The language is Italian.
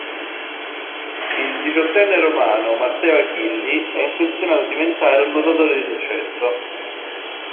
Il diciottenne romano Matteo Achilli è intenzionato a diventare un nuotatore di successo.